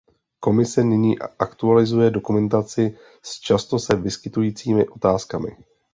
Komise nyní aktualizuje dokumentaci s často se vyskytujícími otázkami.